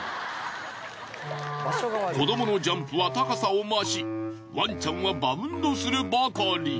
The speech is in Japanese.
子どものジャンプは高さを増しワンちゃんはバウンドするばかり。